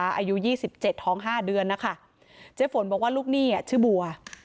อายุยี่สิบเจ็ดท้องห้าเดือนนะคะเจ๊ฝนบอกว่าลูกหนี้อ่ะชื่อบัว